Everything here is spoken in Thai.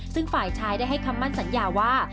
ซึ่งฝ่ายชายได้ให้คำมั่นสัญญาว่า